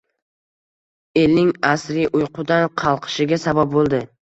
elning asriy uyqudan qalqishiga sabab bo'ldi.